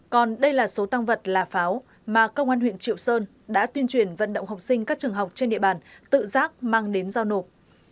còn đây là số tăng vật là pháo mà công an huyện triệu sơn đã tuyên truyền vận động học sinh các trường học trên địa bàn tự giác mang đến giao nộp